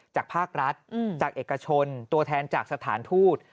จากภาครัฐจากเอกชนตัวแทนจากสถานทูต